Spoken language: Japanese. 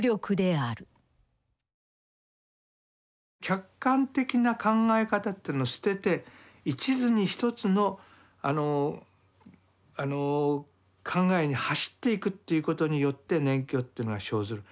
客観的な考え方というのを捨てて一途に１つのあのあの考えに走っていくということによって熱狂というのは生ずる。